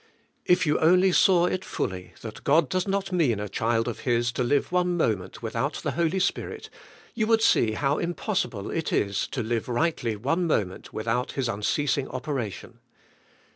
If you only saw it fully, that God does not mean a child of His to live one moment without the Holy Spirit you would see how impossible it is to live rightly one moment without His unceasing" operation.